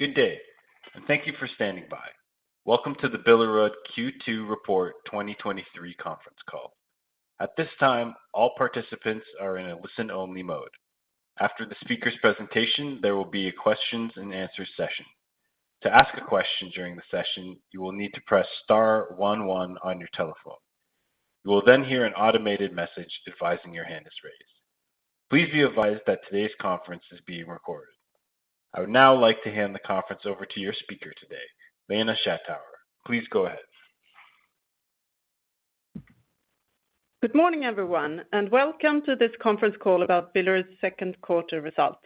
Good day. Thank you for standing by. Welcome to the Billerud Q2 Report 2023 conference call. At this time, all participants are in a listen-only mode. After the speaker's presentation, there will be a questions and answer session. To ask a question during the session, you will need to press star 11 on your telephone. You will then hear an automated message advising your hand is raised. Please be advised that today's conference is being recorded. I would now like to hand the conference over to your speaker today, Lena Schattauer. Please go ahead. Good morning, everyone. Welcome to this conference call about Billerud's second quarter results.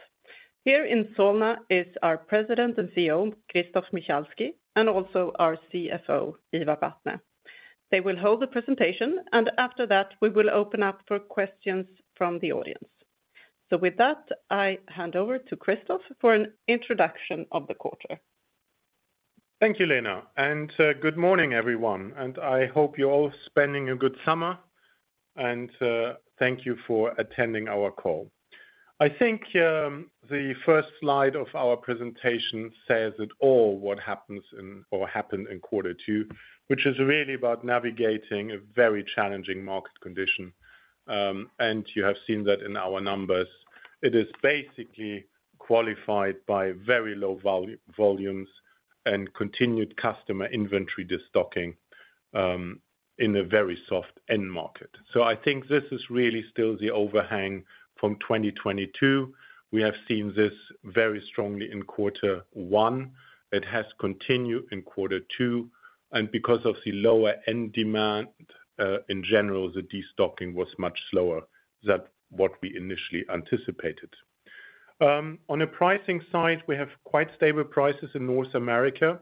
Here in Solna is our President and CEO, Christoph Michalski, and also our CFO, Ivar Vatne. They will hold the presentation. After that, we will open up for questions from the audience. With that, I hand over to Christoph for an introduction of the quarter. Thank you, Lena, good morning, everyone. I hope you're all spending a good summer, and thank you for attending our call. I think the first slide of our presentation says it all, what happened in quarter 2, which is really about navigating a very challenging market condition. You have seen that in our numbers. It is basically qualified by very low volumes and continued customer inventory destocking, in a very soft end market. I think this is really still the overhang from 2022. We have seen this very strongly in quarter 1. It has continued in quarter 2, and because of the lower end demand, in general, the destocking was much slower than what we initially anticipated. On a pricing side, we have quite stable prices in North America,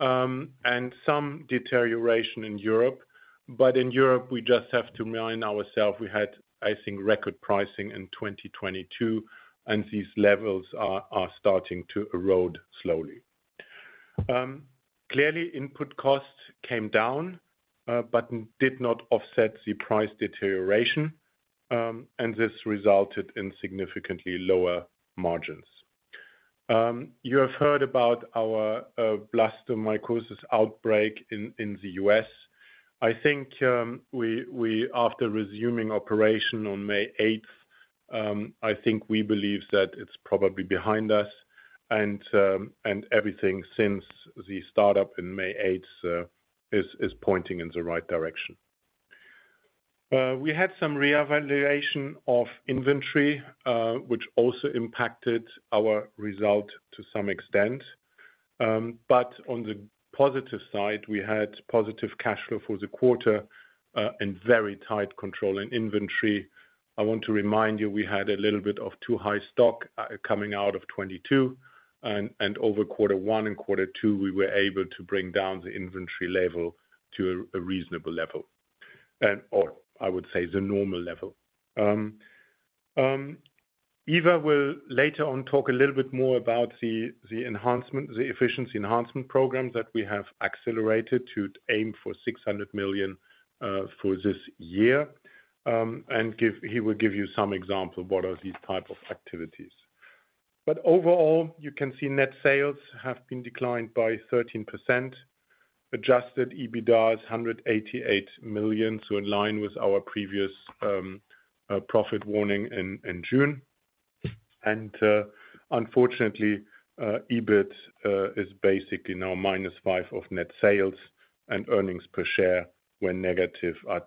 and some deterioration in Europe. In Europe, we just have to remind ourselves, we had, I think, record pricing in 2022, and these levels are starting to erode slowly. Clearly, input costs came down, but did not offset the price deterioration, and this resulted in significantly lower margins. You have heard about our blastomycosis outbreak in the U.S. I think, we after resuming operation on May eighth, I think we believe that it's probably behind us and everything since the startup in May eighth is pointing in the right direction. We had some reevaluation of inventory, which also impacted our result to some extent. On the positive side, we had positive cash flow for the quarter, and very tight control in inventory. I want to remind you, we had a little bit of too high stock coming out of 2022, and over Q1 and Q2, we were able to bring down the inventory level to a reasonable level, or I would say the normal level. Ivar will later on talk a little bit more about the efficiency enhancement program that we have accelerated to aim for 600 million for this year, and he will give you some example what are these type of activities. Overall, you can see net sales have been declined by 13%. Adjusted EBITDA is 188 million in line with our previous profit warning in June. Unfortunately, EBIT is basically now -5% of net sales, and earnings per share were negative at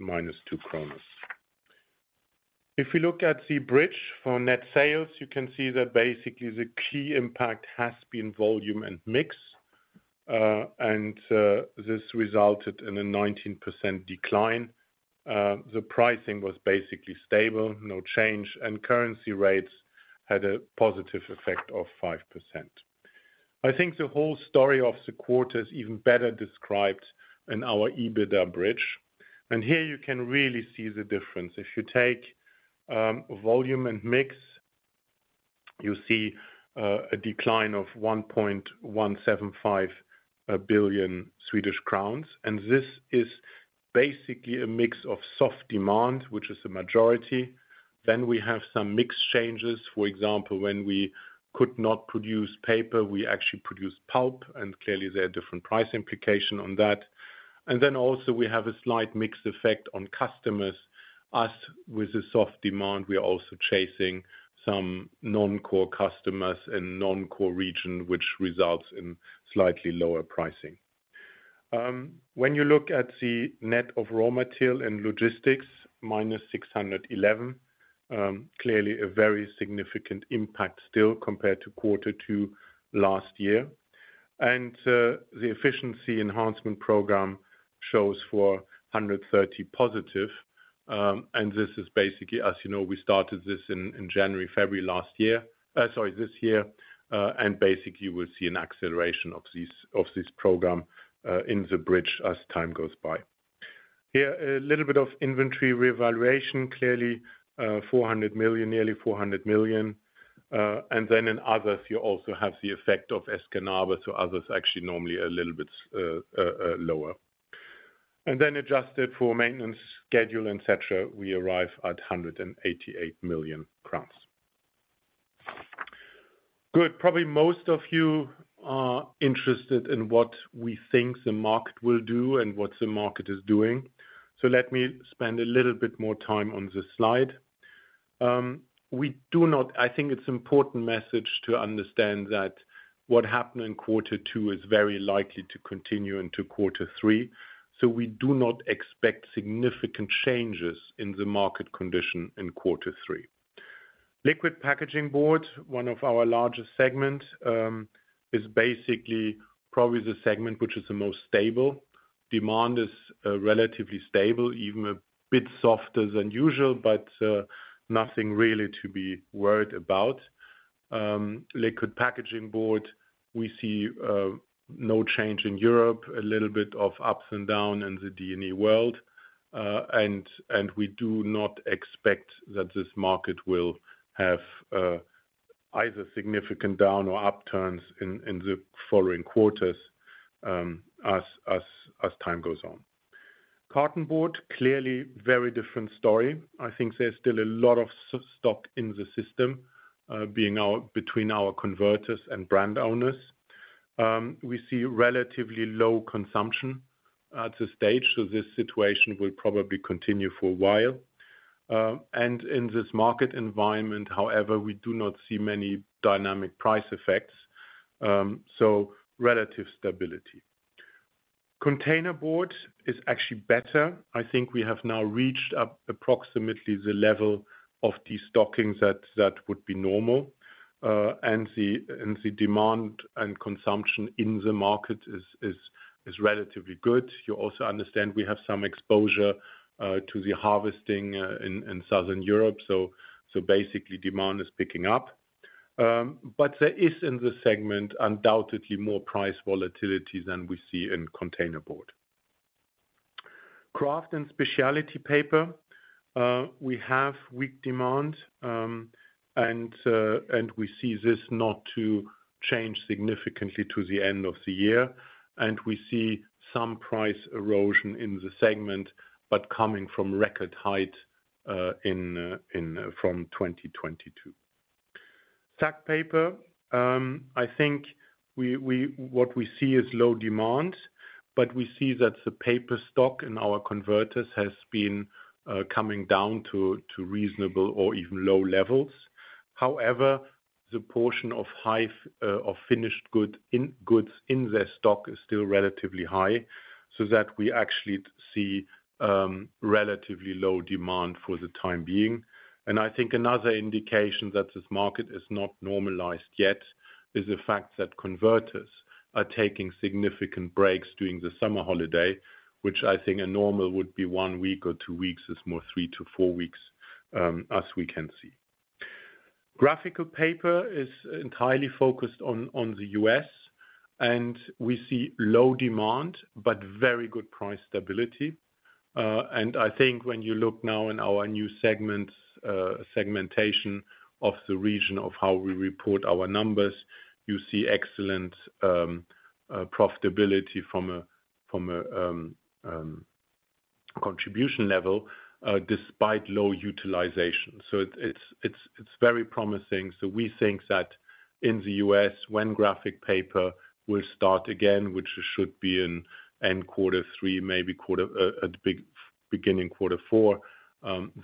-2 kronor. If we look at the bridge for net sales, you can see that basically the key impact has been volume and mix, and this resulted in a 19% decline. The pricing was basically stable, no change, and currency rates had a positive effect of 5%. I think the whole story of the quarter is even better described in our EBITDA bridge, and here you can really see the difference. If you take volume and mix, you see a decline of 1.175 billion Swedish crowns, and this is basically a mix of soft demand, which is the majority. We have some mix changes. For example, when we could not produce paper, we actually produced pulp, clearly there are different price implications on that. Also we have a slight mix effect on customers. As with the soft demand, we are also chasing some non-core customers in non-core region, which results in slightly lower pricing. When you look at the net of raw material and logistics, minus 611, clearly a very significant impact still compared to quarter 2 last year. The efficiency enhancement program shows 430 positive. This is basically, as you know, we started this in January, February last year, sorry, this year. Basically we'll see an acceleration of this program in the bridge as time goes by. Here, a little bit of inventory revaluation, clearly, 400 million, nearly 400 million. In others, you also have the effect of Escanaba, so others actually normally a little bit lower. Adjusted for maintenance schedule, et cetera, we arrive at 188 million crowns. Good, probably most of you are interested in what we think the market will do and what the market is doing. Let me spend a little bit more time on this slide. I think it's important message to understand that what happened in quarter two is very likely to continue into quarter three. We do not expect significant changes in the market condition in quarter three. Liquid Packaging Board, one of our largest segments, is basically probably the segment which is the most stable. Demand is relatively stable, even a bit softer than usual, but nothing really to be worried about. Liquid Packaging Board, we see no change in Europe, a little bit of ups and down in the D&E world. We do not expect that this market will have either significant down or upturns in the following quarters as time goes on. Cartonboard, clearly very different story. I think there's still a lot of stock in the system being our, between our converters and brand owners. We see relatively low consumption at this stage, so this situation will probably continue for a while. In this market environment, however, we do not see many dynamic price effects, so relative stability. Containerboard is actually better. I think we have now reached up approximately the level of the stocking that would be normal. The demand and consumption in the market is relatively good. You also understand we have some exposure to the harvesting in Southern Europe, basically demand is picking up. There is, in this segment, undoubtedly more price volatility than we see in Containerboard. Kraft and specialty paper, we have weak demand, and we see this not to change significantly to the end of the year, and we see some price erosion in the segment, but coming from record height in from 2022. Sack Paper, I think we, what we see is low demand, but we see that the paper stock in our converters has been coming down to reasonable or even low levels. However, the portion of high of finished goods in their stock is still relatively high, so that we actually see relatively low demand for the time being. I think another indication that this market is not normalized yet, is the fact that converters are taking significant breaks during the summer holiday, which I think a normal would be 1 week or 2 weeks, is more 3-4 weeks, as we can see. Graphical paper is entirely focused on the U.S., and we see low demand, but very good price stability. I think when you look now in our new segments, segmentation of the region of how we report our numbers, you see excellent profitability from a contribution level, despite low utilization. It's very promising. We think that in the U.S., when Graphic paper will start again, which should be in end quarter 3, maybe quarter, at the beginning quarter 4,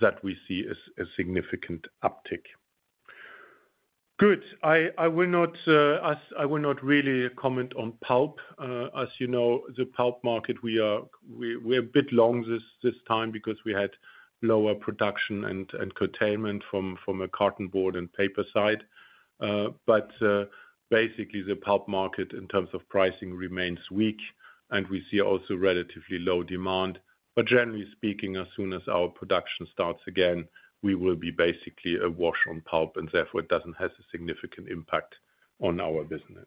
that we see a significant uptick. Good. I will not really comment on pulp. As you know, the pulp market, we are, we're a bit long this time because we had lower production and containment from a Cartonboard and paper side. Basically the pulp market in terms of pricing remains weak, and we see also relatively low demand. Generally speaking, as soon as our production starts again, we will be basically a wash on pulp, and therefore it doesn't have a significant impact on our business.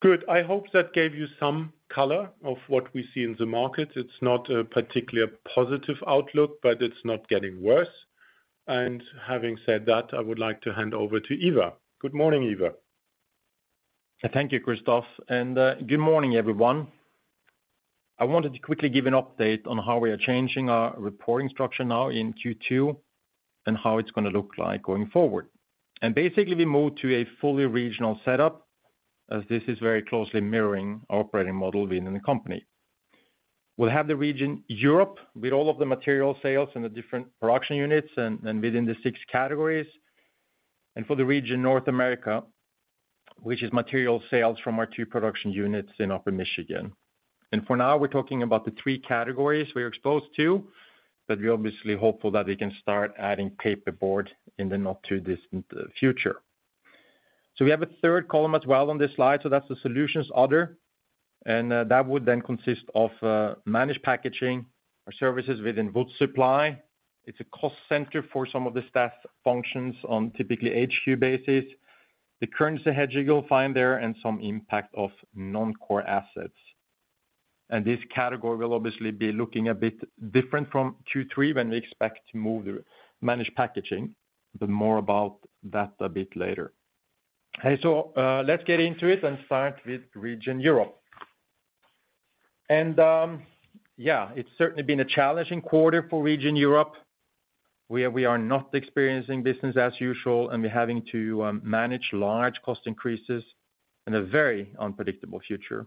Good. I hope that gave you some color of what we see in the market. It's not a particularly positive outlook, but it's not getting worse. Having said that, I would like to hand over to Ivar. Good morning, Ivar. Thank you, Christoph, and good morning, everyone. I wanted to quickly give an update on how we are changing our reporting structure now in Q2, and how it's gonna look like going forward. Basically, we moved to a fully regional setup, as this is very closely mirroring our operating model within the company. We'll have the region Europe, with all of the material sales and the different production units and within the 6 categories. For the region North America, which is material sales from our 2 production units in Upper Michigan. For now, we're talking about the 3 categories we are exposed to, but we're obviously hopeful that we can start adding paperboard in the not too distant future. We have a third column as well on this slide, that's the solutions other, and that would consist of Managed Packaging or services within wood supply. It's a cost center for some of the staff functions on typically HQ basis. The currency hedge you'll find there, some impact of non-core assets. This category will obviously be looking a bit different from Q3 when we expect to move the Managed Packaging, but more about that a bit later. Let's get into it and start with region Europe. Yeah, it's certainly been a challenging quarter for region Europe, where we are not experiencing business as usual, and we're having to manage large cost increases in a very unpredictable future.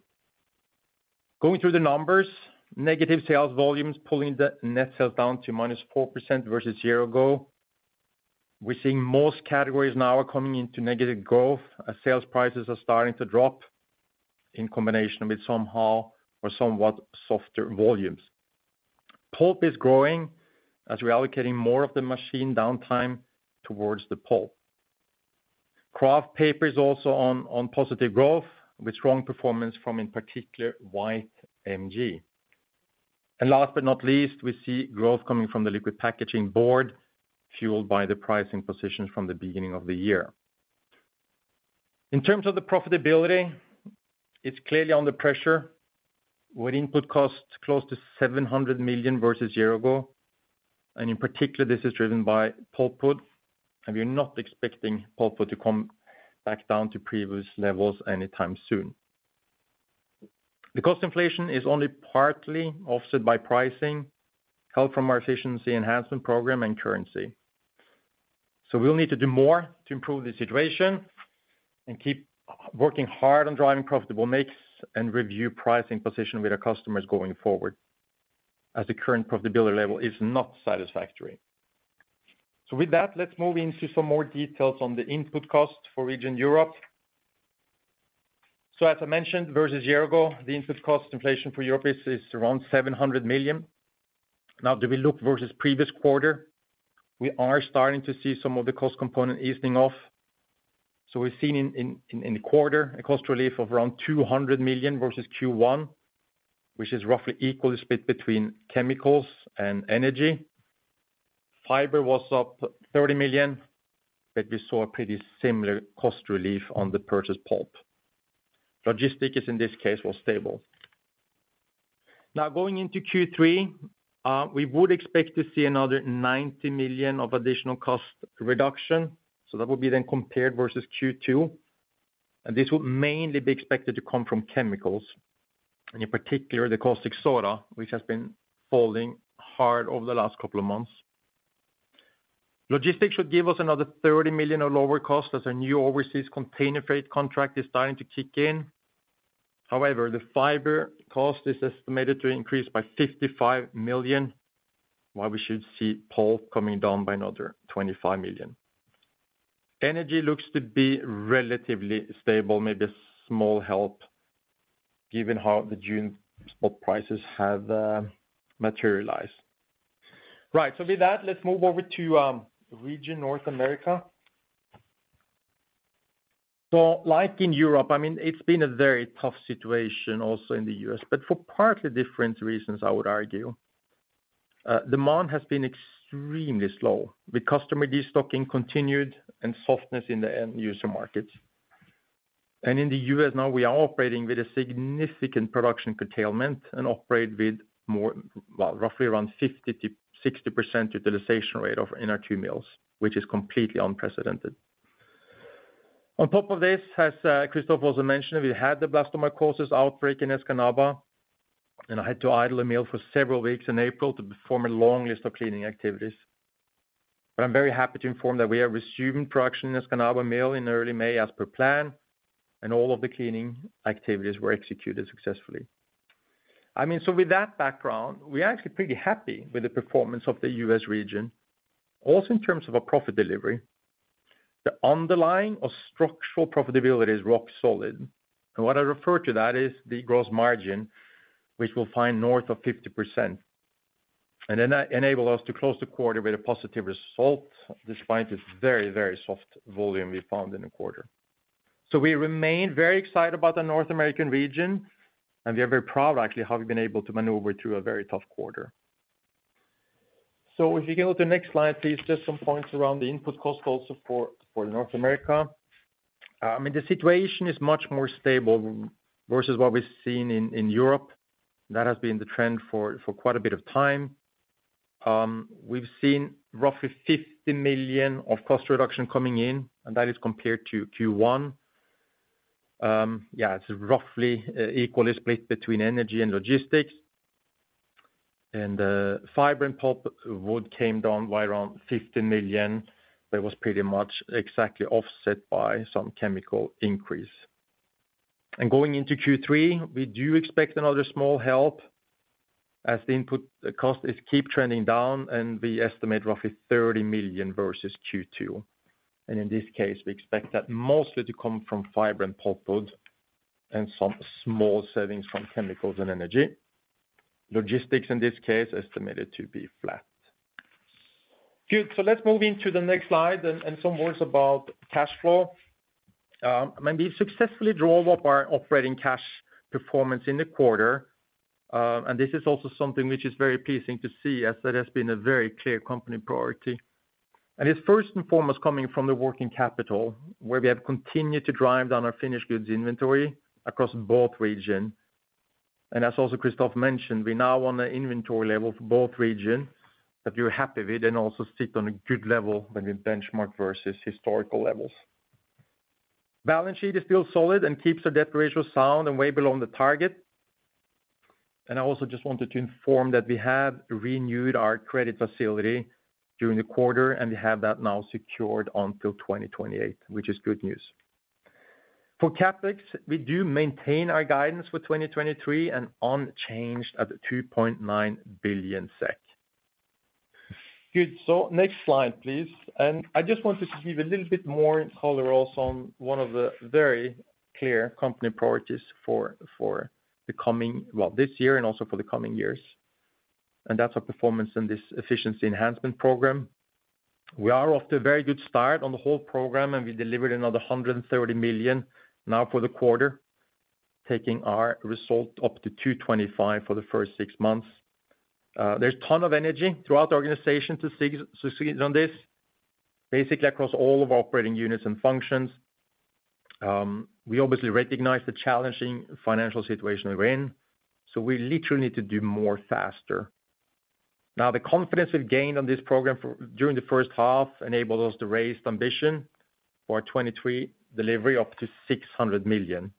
Going through the numbers, negative sales volumes pulling the net sales down to minus 4% versus year ago. We're seeing most categories now are coming into negative growth, as sales prices are starting to drop in combination with somehow or somewhat softer volumes. Pulp is growing, as we're allocating more of the machine downtime towards the pulp. Kraft paper is also on positive growth, with strong performance from, in particular, white MG. Last but not least, we see growth coming from the Liquid Packaging Board, fueled by the pricing positions from the beginning of the year. In terms of the profitability, it's clearly under pressure, with input costs close to 700 million versus year ago. In particular, this is driven by pulpwood. We're not expecting pulpwood to come back down to previous levels anytime soon. The cost inflation is only partly offset by pricing, help from our efficiency enhancement program and currency. We'll need to do more to improve the situation and keep working hard on driving profitable mix, and review pricing position with our customers going forward, as the current profitability level is not satisfactory. With that, let's move into some more details on the input cost for Region Europe. As I mentioned, versus year ago, the input cost inflation for Europe is around 700 million. Now, do we look versus previous quarter? We are starting to see some of the cost component easing off. We've seen in the quarter, a cost relief of around 200 million versus Q1, which is roughly equally split between chemicals and energy. Fiber was up 30 million, but we saw a pretty similar cost relief on the purchase pulp. Logistics, as in this case, was stable. Going into Q3, we would expect to see another 90 million of additional cost reduction, that will be then compared versus Q2, this would mainly be expected to come from chemicals, and in particular, the caustic soda, which has been falling hard over the last couple of months. Logistics should give us another 30 million or lower cost, as our new overseas container freight contract is starting to kick in. The fiber cost is estimated to increase by 55 million, while we should see pulp coming down by another 25 million. Energy looks to be relatively stable, maybe a small help, given how the June spot prices have materialized. With that, let's move over to region North America. Like in Europe, I mean, it's been a very tough situation also in the U.S., but for partly different reasons, I would argue. Demand has been extremely slow, with customer destocking continued and softness in the end user markets. In the U.S. now, we are operating with a significant production curtailment and operate with more, well, roughly around 50% to 60% utilization rate of in our two mills, which is completely unprecedented. On top of this, as Christoph also mentioned, we had the blastomycosis outbreak in Escanaba, and I had to idle a mill for several weeks in April to perform a long list of cleaning activities. I'm very happy to inform that we have resumed production in Escanaba mill in early May, as per plan, and all of the cleaning activities were executed successfully. I mean, with that background, we're actually pretty happy with the performance of the U.S. region. Also, in terms of a profit delivery, the underlying or structural profitability is rock solid, and what I refer to that is the gross margin, which we'll find north of 50%, and then that enable us to close the quarter with a positive result, despite this very, very soft volume we found in the quarter. We remain very excited about the North American region, and we are very proud, actually, how we've been able to maneuver through a very tough quarter. If you go to the next slide, please, just some points around the input cost also for North America. I mean, the situation is much more stable versus what we've seen in Europe. That has been the trend for quite a bit of time. We've seen roughly 50 million of cost reduction coming in. That is compared to Q1. It's roughly equally split between energy and logistics. Fiber and pulpwood came down by around 50 million. That was pretty much exactly offset by some chemical increase. Going into Q3, we do expect another small help, as the input cost is keep trending down, and we estimate roughly 30 million versus Q2. In this case, we expect that mostly to come from fiber and pulpwood, and some small savings from chemicals and energy. Logistics, in this case, estimated to be flat. Good, let's move into the next slide and some words about cash flow. We successfully drove up our operating cash performance in the quarter, and this is also something which is very pleasing to see, as that has been a very clear company priority. It's first and foremost coming from the working capital, where we have continued to drive down our finished goods inventory across both region. As also Christoph mentioned, we now on the inventory level for both regions that we're happy with, and also sit on a good level when we benchmark versus historical levels. Balance sheet is still solid and keeps the debt ratio sound and way below the target. I also just wanted to inform that we have renewed our credit facility during the quarter, and we have that now secured until 2028, which is good news. For CapEx, we do maintain our guidance for 2023 and unchanged at 2.9 billion SEK. Good. Next slide, please. I just wanted to give a little bit more color also on one of the very clear company priorities for the coming, well, this year and also for the coming years. That's our performance in this efficiency enhancement program. We are off to a very good start on the whole program, and we delivered another 130 million now for the quarter, taking our result up to 225 for the first six months. There's ton of energy throughout the organization to succeed on this, basically across all of our operating units and functions. We obviously recognize the challenging financial situation we're in, so we literally need to do more faster. Now, the confidence we've gained on this program during the first half enables us to raise ambition for our 2023 delivery up to 600 million.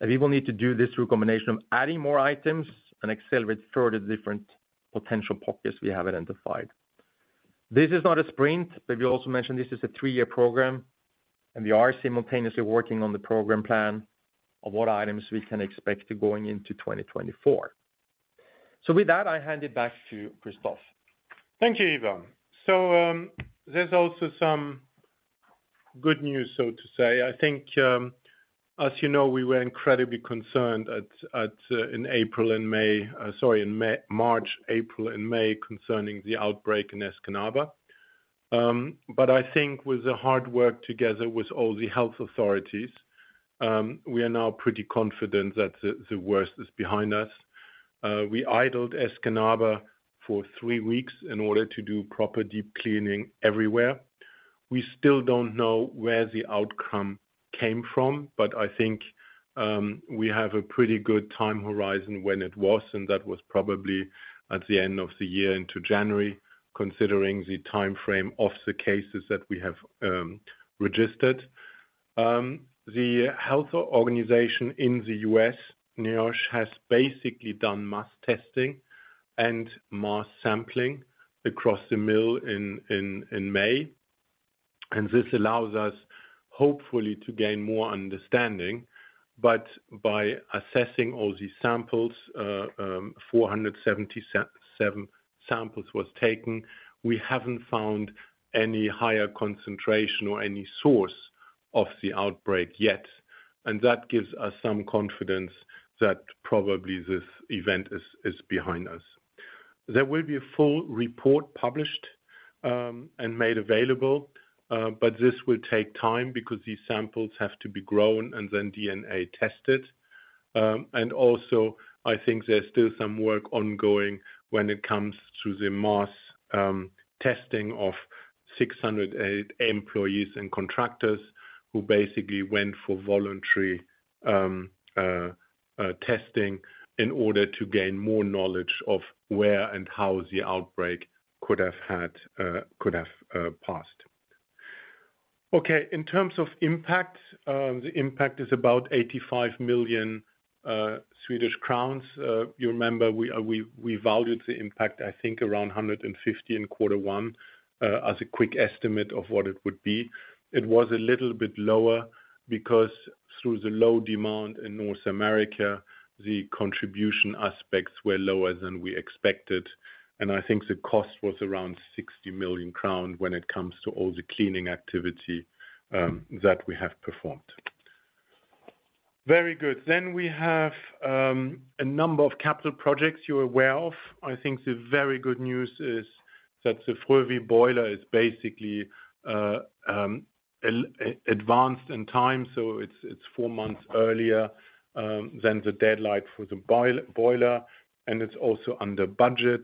We will need to do this through a combination of adding more items and accelerate further different potential pockets we have identified. This is not a sprint, but we also mentioned this is a 3-year program, and we are simultaneously working on the program plan of what items we can expect going into 2024. With that, I hand it back to Christoph. Thank you, Ivar. There's also some good news, so to say. I think, as you know, we were incredibly concerned at, in April and May, sorry, in March, April, and May, concerning the outbreak in Escanaba. I think with the hard work together with all the health authorities, we are now pretty confident that the worst is behind us. We idled Escanaba for three weeks in order to do proper deep cleaning everywhere. We still don't know where the outcome came from, but I think, we have a pretty good time horizon when it was, and that was probably at the end of the year into January, considering the timeframe of the cases that we have, registered. The health organization in the U.S., NIOSH, has basically done mass testing and mass sampling across the mill in May, and this allows us, hopefully, to gain more understanding. By assessing all these samples, 477 samples was taken, we haven't found any higher concentration or any source of the outbreak yet, and that gives us some confidence that probably this event is behind us. There will be a full report published and made available, but this will take time because these samples have to be grown and then DNA tested. Also, I think there's still some work ongoing when it comes to the mass testing of 608 employees and contractors who basically went for voluntary testing in order to gain more knowledge of where and how the outbreak could have had, could have, passed. Okay, in terms of impact, the impact is about 85 million Swedish crowns. You remember, we valued the impact, I think, around 150 in quarter one, as a quick estimate of what it would be. It was a little bit lower because through the low demand in North America, the contribution aspects were lower than we expected, and I think the cost was around 60 million crown when it comes to all the cleaning activity that we have performed. Very good. We have a number of capital projects you are aware of. I think the very good news is that the Frövi boiler is basically advanced in time, so it's four months earlier than the deadline for the boiler, and it's also under budget.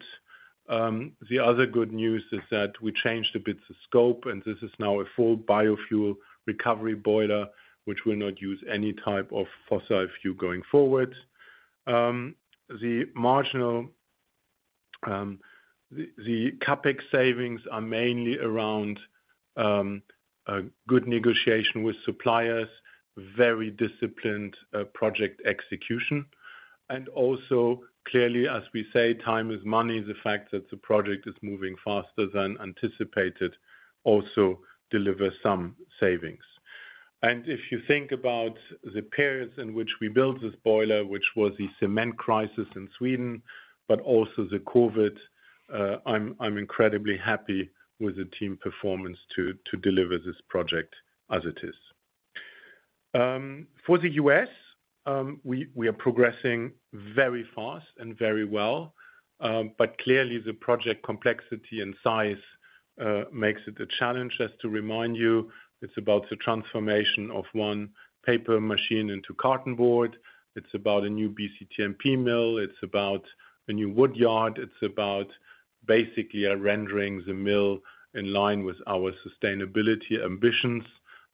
The other good news is that we changed a bit the scope, and this is now a full biofuel recovery boiler, which will not use any type of fossil fuel going forward. The marginal, the CapEx savings are mainly around a good negotiation with suppliers, very disciplined project execution, and also clearly, as we say, time is money. The fact that the project is moving faster than anticipated also delivers some savings. If you think about the periods in which we built this boiler, which was the cement crisis in Sweden, but also the COVID, I'm incredibly happy with the team performance to deliver this project as it is. For the US, we are progressing very fast and very well, but clearly the project complexity and size makes it a challenge. Just to remind you, it's about the transformation of one paper machine into Cartonboard. It's about a new BCTMP mill. It's about a new woodyard. It's about basically rendering the mill in line with our sustainability ambitions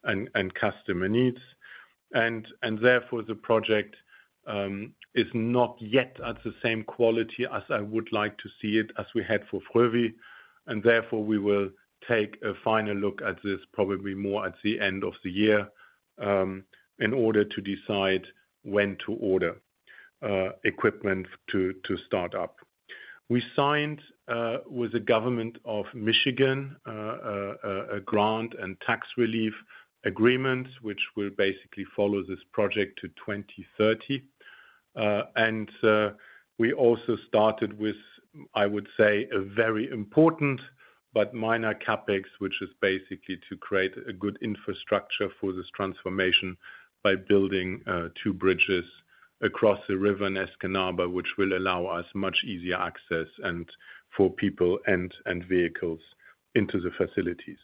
and customer needs. Therefore the project is not yet at the same quality as I would like to see it as we had for Frövi. Therefore, we will take a final look at this probably more at the end of the year, in order to decide when to order equipment to start up. We signed with the government of Michigan, a grant and tax relief agreement, which will basically follow this project to 2030. We also started with, I would say, a very important but minor CapEx, which is basically to create a good infrastructure for this transformation by building two bridges across the river in Escanaba, which will allow us much easier access and for people and vehicles into the facilities.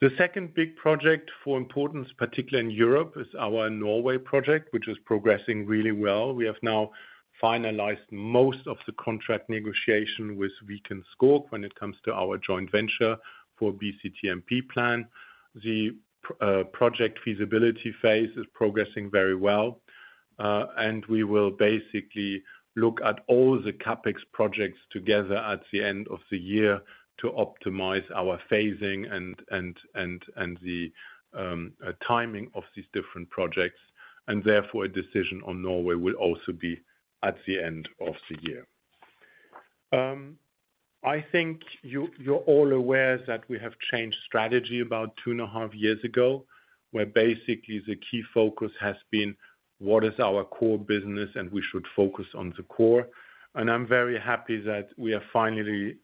The second big project for importance, particularly in Europe, is our Norway project, which is progressing really well. We have now finalized most of the contract negotiation with Viken Skog when it comes to our joint venture for BCTMP plan. The project feasibility phase is progressing very well, and we will basically look at all the CapEx projects together at the end of the year to optimize our phasing and the timing of these different projects. Therefore a decision on Norway will also be at the end of the year. I think you're all aware that we have changed strategy about two and a half years ago, where basically the key focus has been what is our core business, and we should focus on the core. I'm very happy that we have finally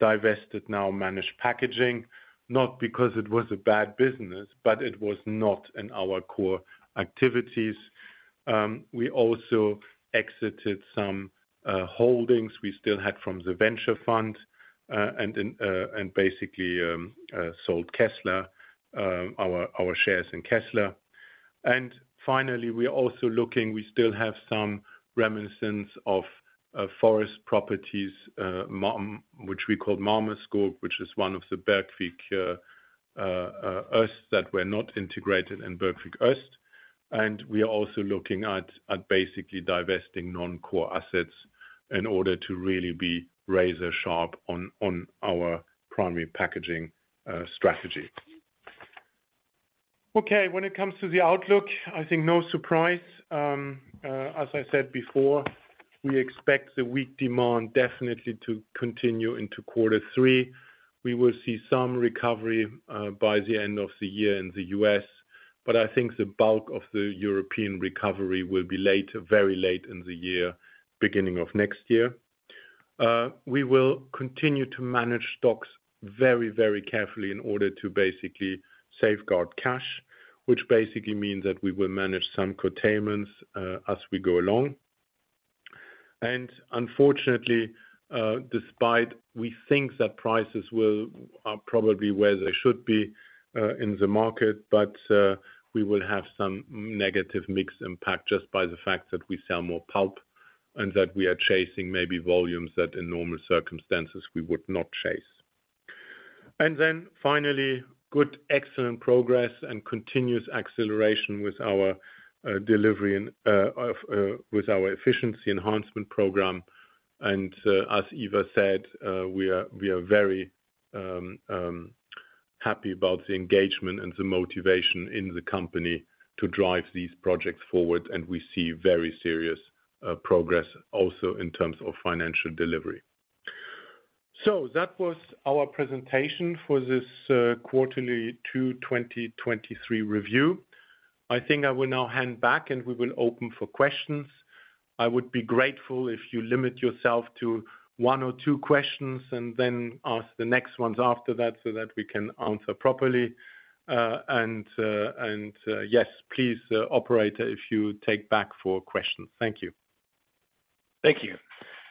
divested now Managed Packaging, not because it was a bad business, but it was not in our core activities. We also exited some holdings we still had from the venture fund, and in and basically sold Kezzler, our shares in Kezzler. Finally, we are also looking, we still have some reminiscence of forest properties, which we call Marma Skog, which is one of the Bergvik Öst that were not integrated in Bergvik Öst. We are also looking at basically divesting non-core assets in order to really be razor sharp on our primary packaging strategy. When it comes to the outlook, I think no surprise. As I said before, we expect the weak demand definitely to continue into quarter three. We will see some recovery by the end of the year in the U.S., I think the bulk of the European recovery will be late, very late in the year, beginning of next year. We will continue to manage stocks very, very carefully in order to basically safeguard cash, which basically means that we will manage some curtailments as we go along. Unfortunately, despite we think that prices are probably where they should be in the market, but we will have some negative mix impact just by the fact that we sell more pulp and that we are chasing maybe volumes that in normal circumstances we would not chase. Finally, good, excellent progress and continuous acceleration with our delivery and of with our efficiency enhancement program. As Ivar said, we are very happy about the engagement and the motivation in the company to drive these projects forward, and we see very serious progress also in terms of financial delivery. That was our presentation for this quarterly Q2 2023 review. I think I will now hand back and we will open for questions. I would be grateful if you limit yourself to 1 or 2 questions and then ask the next ones after that, so that we can answer properly. Operator, if you take back for questions. Thank you. Thank you.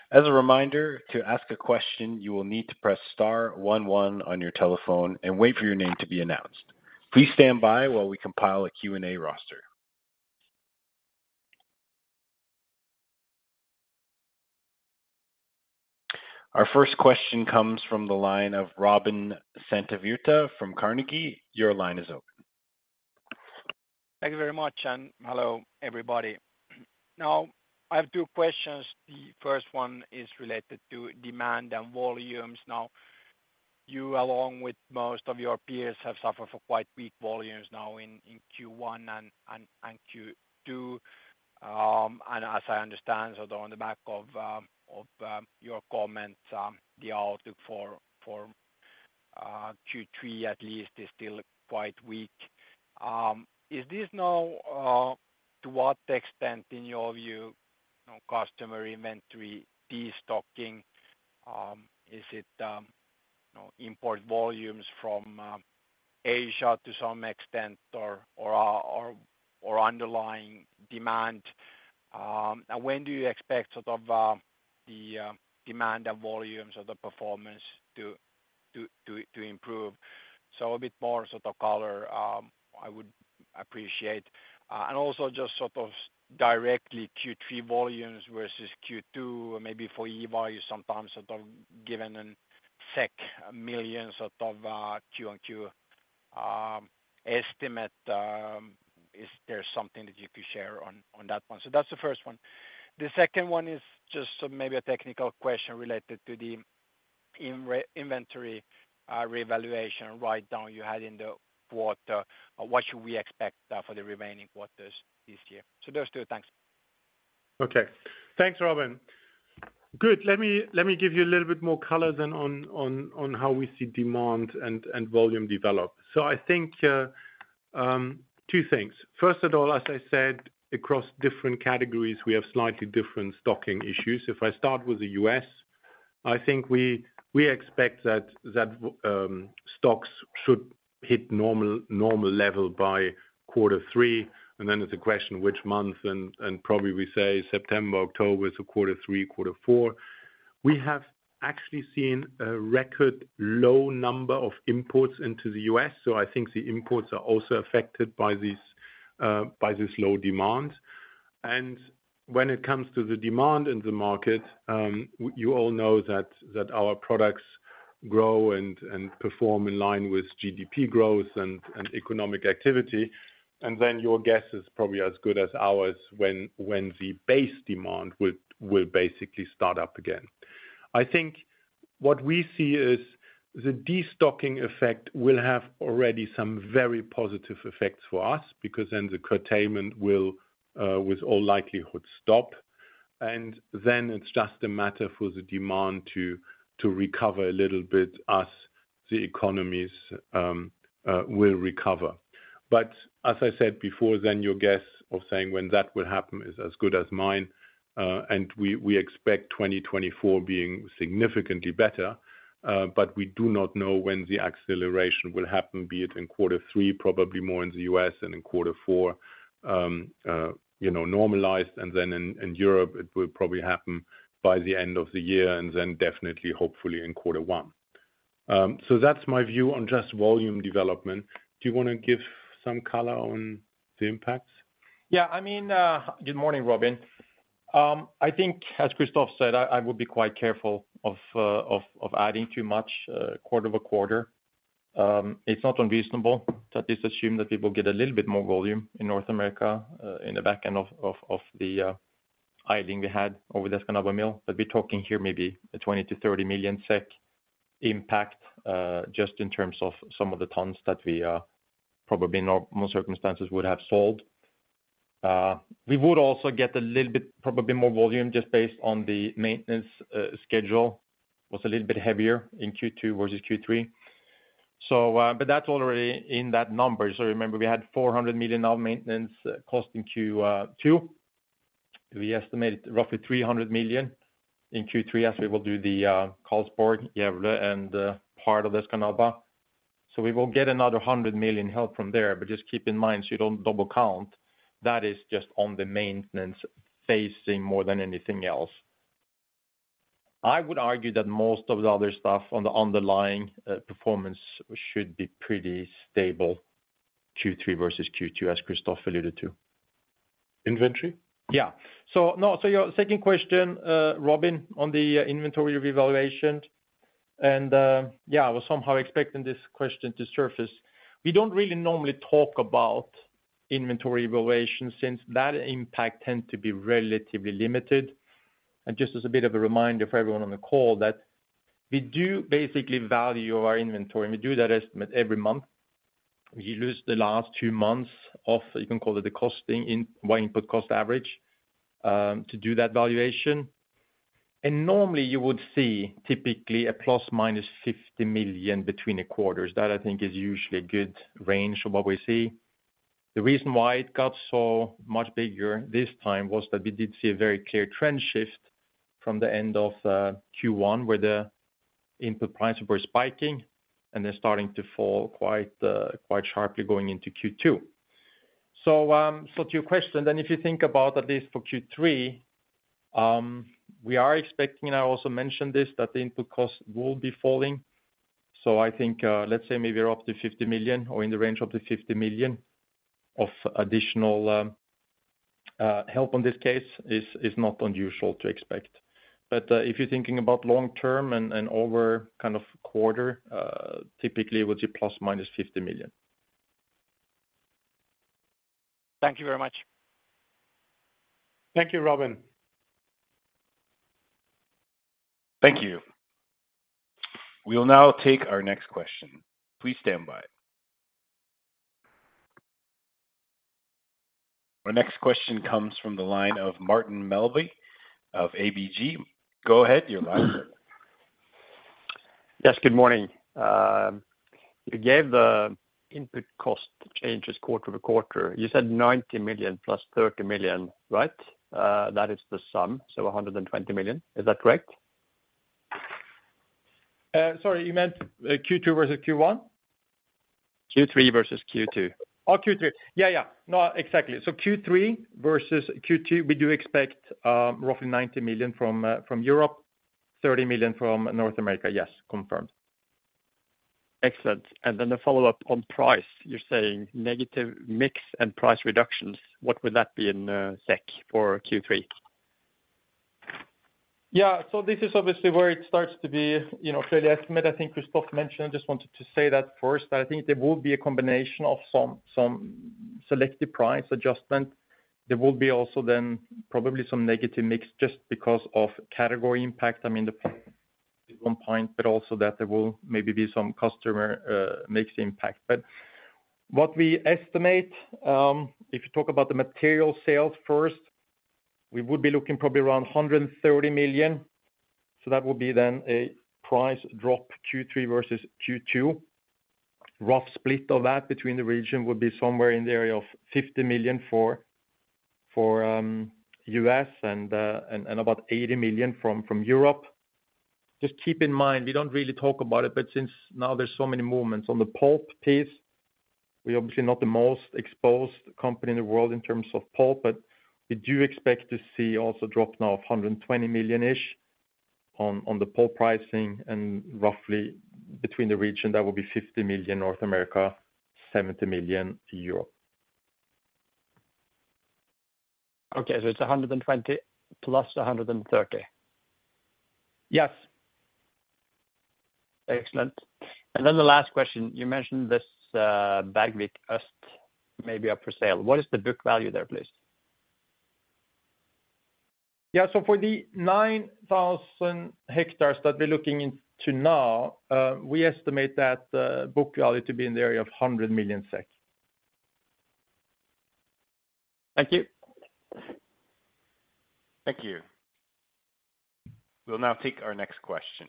As a reminder, to ask a question, you will need to press star 11 on your telephone and wait for your name to be announced. Please stand by while we compile a Q&A roster. Our first question comes from the line of Robin Santavirta from Carnegie. Your line is open. Thank you very much. Hello, everybody. Now, I have 2 questions. The first one is related to demand and volumes. Now, you, along with most of your peers, have suffered for quite weak volumes now in Q1 and Q2. As I understand, sort of on the back of, your comments, the outlook for Q3 at least, is still quite weak. Is this now, to what extent, in your view, you know, customer inventory, destocking? Is it, you know, import volumes from, Asia to some extent or underlying demand? When do you expect sort of, the, demand and volumes of the performance to improve? A bit more sort of color, I would appreciate. Also just sort of directly Q3 volumes versus Q2, maybe for Eva, sometimes sort of given millions out of Q on Q estimate. Is there something that you could share on that one? That's the first one. The second one is just maybe a technical question related to the inventory revaluation write down you had in the quarter. What should we expect for the remaining quarters this year? Those two. Thanks. Okay. Thanks, Robin. Good, let me give you a little bit more color then on how we see demand and volume develop. I think two things: first of all, as I said, across different categories, we have slightly different stocking issues. If I start with the U.S., I think we expect that stocks should hit normal level by quarter three, and then it's a question of which month, and probably we say September, October, quarter three, quarter four. We have actually seen a record low number of imports into the U.S., I think the imports are also affected by this low demand. When it comes to the demand in the market, you all know that our products grow and perform in line with GDP growth and economic activity. Your guess is probably as good as ours when the base demand will basically start up again. I think what we see is the destocking effect will have already some very positive effects for us, because then the curtailment will with all likelihood stop. It's just a matter for the demand to recover a little bit as the economies will recover. As I said before, then your guess of saying when that will happen is as good as mine. We, we expect 2024 being significantly better, but we do not know when the acceleration will happen, be it in quarter three, probably more in the US and in quarter four. you know, normalized, and then in Europe, it will probably happen by the end of the year, and then definitely, hopefully in quarter one. That's my view on just volume development. Do you wanna give some color on the impacts? I mean, Good morning, Robin. I think, as Christoph said, I would be quite careful of adding too much quarter-over-quarter. It's not unreasonable to just assume that people get a little bit more volume in North America in the back end of the idling we had over the Escanaba Mill. We're talking here maybe a 20-30 million SEK impact just in terms of some of the tons that we probably in most circumstances would have sold. We would also get a little bit, probably more volume, just based on the maintenance schedule, was a little bit heavier in Q2 versus Q3. But that's already in that number. Remember, we had 400 million of maintenance cost in Q2. We estimated roughly 300 million in Q3, as we will do the Karlsborg, Gävle, and part of the Escanaba. We will get another 100 million help from there, but just keep in mind, so you don't double count, that is just on the maintenance facing more than anything else. I would argue that most of the other stuff on the underlying performance should be pretty stable, Q3 versus Q2, as Christoph alluded to. Inventory? Yeah. Your second question, Robin, on the inventory revaluation, and, yeah, I was somehow expecting this question to surface. We don't really normally talk about inventory revaluation since that impact tends to be relatively limited. Just as a bit of a reminder for everyone on the call, that we do basically value our inventory, and we do that estimate every month. We use the last two months of, you can call it the costing my input cost average, to do that valuation. Normally you would see typically a ±50 million between the quarters. That I think is usually a good range of what we see. The reason why it got so much bigger this time, was that we did see a very clear trend shift from the end of Q1, where the input prices were spiking, and they're starting to fall quite sharply going into Q2. To your question, then, if you think about, at least for Q3, we are expecting, I also mentioned this, that the input cost will be falling. I think, let's say maybe up to 50 million or in the range of the 50 million of additional help on this case is not unusual to expect. If you're thinking about long term and over kind of quarter, typically it would be ±50 million. Thank you very much. Thank you, Robin. Thank you. We'll now take our next question. Please stand by. Our next question comes from the line of Martin Melbye of ABG. Go ahead, you're live. Yes, good morning. You gave the input cost changes quarter-over-quarter. You said 90 million plus 30 million, right? That is the sum, so 120 million, is that correct? Sorry, you meant, Q2 versus Q1? Q3 versus Q2. Q3. Yeah, yeah. Exactly. Q3 versus Q2, we do expect roughly 90 million from Europe, 30 million from North America. Yes, confirmed. Excellent. Then a follow-up on price. You're saying negative mix and price reductions, what would that be in SEK for Q3? This is obviously where it starts to be, you know, clearly estimate. I think Christoph mentioned, I just wanted to say that first, I think there will be a combination of some selective price adjustment. There will be also probably some negative mix just because of category impact. The one point, but also that there will maybe be some customer mix impact. What we estimate, if you talk about the material sales first, we would be looking probably around 130 million. That will be then a price drop Q3 versus Q2. Rough split of that between the region would be somewhere in the area of 50 million for U.S. and about 80 million from Europe. Just keep in mind, we don't really talk about it. Since now there's so many movements on the pulp piece, we're obviously not the most exposed company in the world in terms of pulp. We do expect to see also drop now of 120 million-ish on the pulp pricing and roughly between the region, that will be 50 million North America, 70 million Europe. Okay, it's 120 plus 130? Yes. Excellent. The last question, you mentioned this, Bergvik Skog Öst may be up for sale. What is the book value there, please? For the 9,000 hectares that we're looking into now, we estimate that book value to be in the area of 100 million SEK. Thank you. Thank you. We'll now take our next question.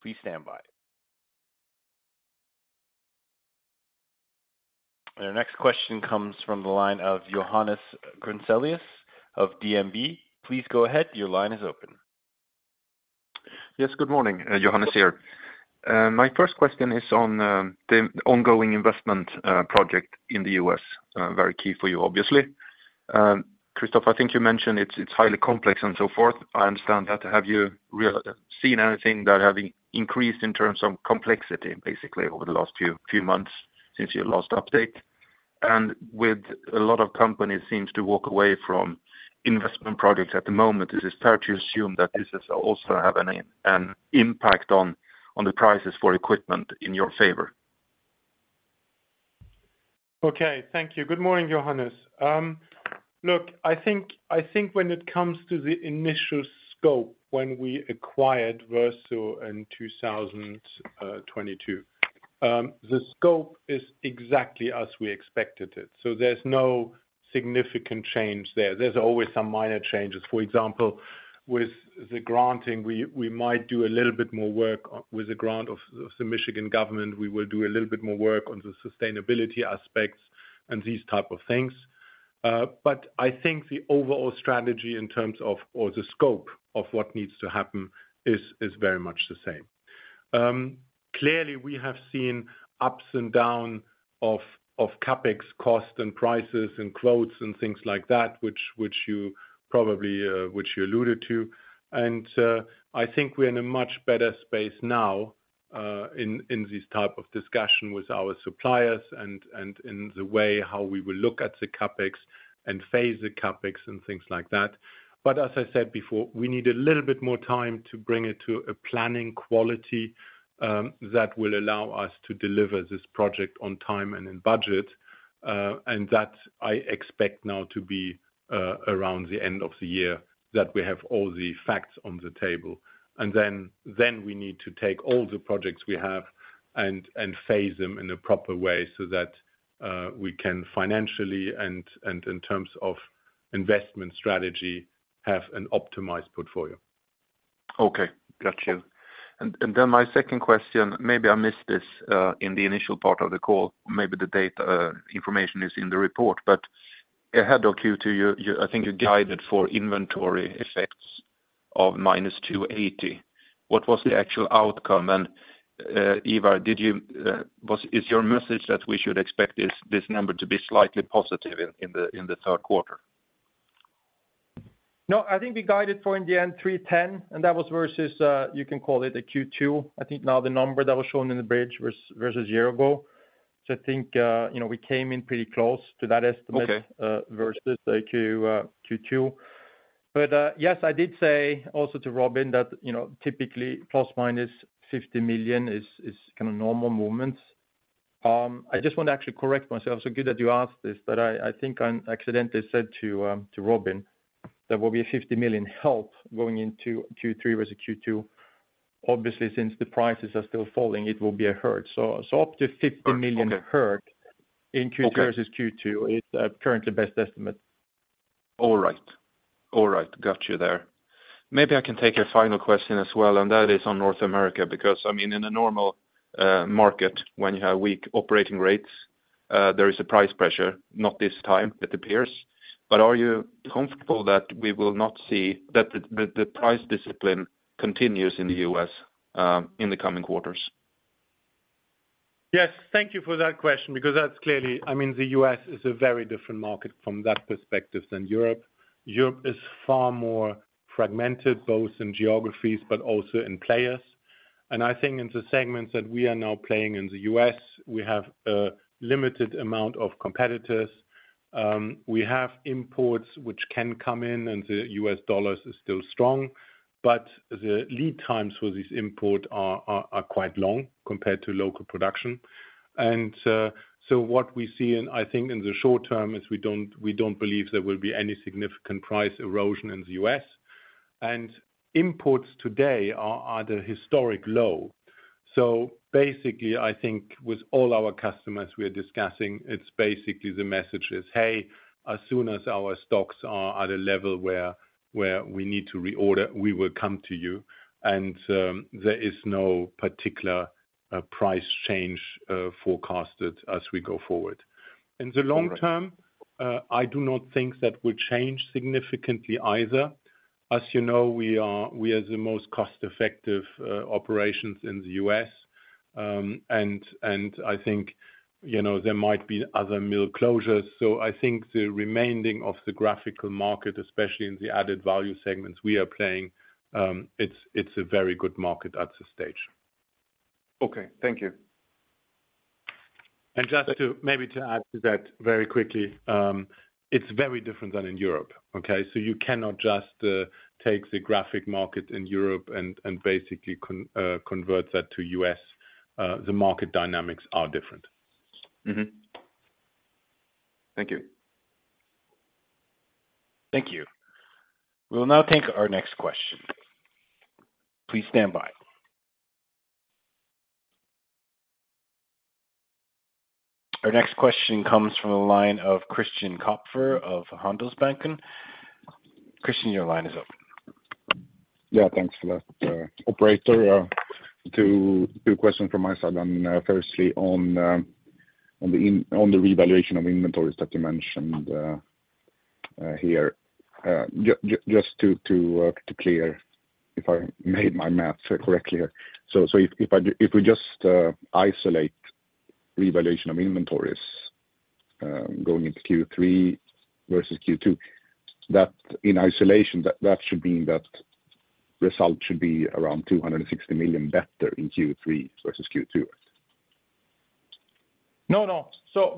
Please stand by. Our next question comes from the line of Johannes Grunselius of DNB. Please go ahead. Your line is open. Yes, good morning. Johannes here. My first question is on the ongoing investment project in the U.S., very key for you, obviously. Christoph, I think you mentioned it's highly complex and so forth. I understand that. Have you seen anything that have increased in terms of complexity, basically, over the last few months since your last update? With a lot of companies seems to walk away from investment projects at the moment, is it fair to assume that this is also have an impact on the prices for equipment in your favor? Okay. Thank you. Good morning, Johannes. Look, I think when it comes to the initial scope, when we acquired Verso in 2022, the scope is exactly as we expected it, so there's no significant change there. There's always some minor changes. For example, with the granting, we might do a little bit more work with the grant of the Michigan government. We will do a little bit more work on the sustainability aspects and these type of things. I think the overall strategy in terms of, or the scope of what needs to happen is very much the same. Clearly, we have seen ups and down of CapEx costs and prices and quotes and things like that, which you probably, which you alluded to. I think we're in a much better space now, in this type of discussion with our suppliers and in the way how we will look at the CapEx and phase the CapEx and things like that. As I said before, we need a little bit more time to bring it to a planning quality that will allow us to deliver this project on time and in budget, and that I expect now to be around the end of the year, that we have all the facts on the table. Then we need to take all the projects we have and phase them in a proper way so that we can financially and in terms of investment strategy, have an optimized portfolio. Okay. Got you. Then my second question, maybe I missed this in the initial part of the call. Maybe the data information is in the report, but ahead of Q2, you, I think you guided for inventory effects of -280. What was the actual outcome? Ivar, did you, is your message that we should expect this number to be slightly positive in the third quarter? No, I think we guided for in the end, 310, that was versus, you can call it a Q2. I think now the number that was shown in the bridge versus year ago. I think, you know, we came in pretty close to that estimate. Okay. versus the Q, Q2. Yes, I did say also to Robin that, you know, typically ±50 million is kind of normal movements. I just want to actually correct myself, so good that you asked this, but I think I accidentally said to Robin that there will be a 50 million help going into Q3 versus Q2. Obviously, since the prices are still falling, it will be a hurt. Up to 50 million hurt. Okay. in Q2 versus Q2 is currently best estimate. All right. All right. Got you there. Maybe I can take a final question as well. That is on North America, because, I mean, in a normal market, when you have weak operating rates, there is a price pressure, not this time, it appears. Are you comfortable that we will not see that the price discipline continues in the US in the coming quarters? Yes. Thank you for that question, because that's clearly, I mean, the U.S. is a very different market from that perspective than Europe. Europe is far more fragmented both in geographies but also in players. I think in the segments that we are now playing in the U.S., we have a limited amount of competitors. We have imports which can come in, the U.S. dollar is still strong, but the lead times for this import are quite long compared to local production. What we see in, I think in the short term is we don't believe there will be any significant price erosion in the U.S., imports today are at a historic low. Basically, I think with all our customers we are discussing, it's basically the message is: Hey, as soon as our stocks are at a level where we need to reorder, we will come to you. There is no particular price change forecasted as we go forward. In the long term, I do not think that will change significantly either. As you know, we are the most cost effective operations in the U.S., and I think, you know, there might be other mill closures. I think the remaining of the graphical market, especially in the added value segments we are playing, it's a very good market at this stage. Okay, thank you. Just to, maybe to add to that very quickly, it's very different than in Europe, okay? You cannot just take the graphic market in Europe and basically convert that to U.S. The market dynamics are different. Mm-hmm. Thank you. Thank you. We'll now take our next question. Please stand by. Our next question comes from the line of Christian Kopfer of Handelsbanken. Christian, your line is open. Yeah, thanks for that, operator. Two questions from my side. Firstly on the revaluation of inventories that you mentioned here. Just to clear if I made my math correctly here. If I, if we just isolate revaluation of inventories, going into Q3 versus Q2, that in isolation, that should mean that result should be around 260 million better in Q3 versus Q2. No, no.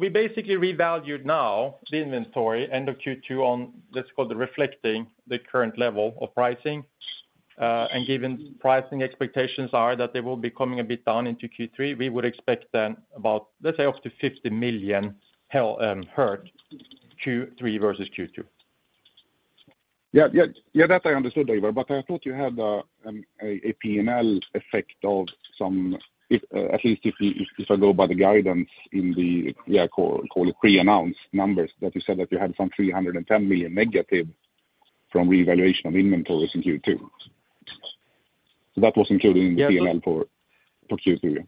We basically revalued now the inventory, end of Q2, let's call it reflecting the current level of pricing. Given pricing expectations are that they will be coming a bit down into Q3, we would expect then about, let's say, up to 50 million hurt Q3 versus Q2. Yeah. That I understood, Ivar, but I thought you had a P&L effect of some, if, at least if you, if I go by the guidance in the call it pre-announce numbers, that you said that you had some 310 million negative from revaluation of inventories in Q2. That was including the P&L for Q3?